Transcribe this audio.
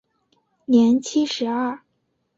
年七十二。